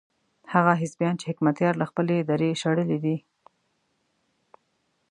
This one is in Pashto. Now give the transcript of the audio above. هغه حزبيان چې حکمتیار له خپلې درې شړلي دي.